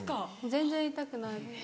全然痛くないです。